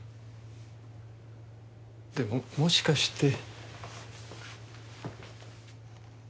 でももしかして。